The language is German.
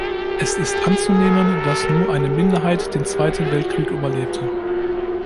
Es ist anzunehmen, dass nur eine Minderheit den Zweiten Weltkrieg überlebte.